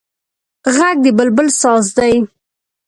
غږ د بلبل ساز دی